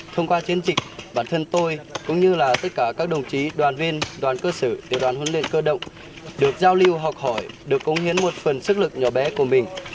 thông qua chiến dịch bản thân tôi cũng như là tất cả các đồng chí đoàn viên đoàn cơ sở tiểu đoàn huấn luyện cơ động được giao lưu học hỏi được công hiến một phần sức lực nhỏ bé của mình